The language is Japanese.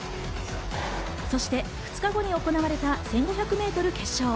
そして２日後に行われた１５００ｍ決勝。